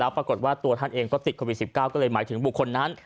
ปรากฏว่าตัวท่านเองก็ติดโควิด๑๙ก็เลยหมายถึงบุคคลนั้น